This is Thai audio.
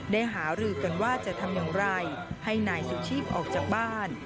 หารือกันว่าจะทำอย่างไรให้นายสุชีพออกจากบ้าน